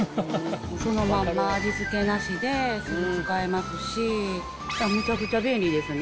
そのまんま、味付けなしですぐ使えますし、むちゃくちゃ便利ですね。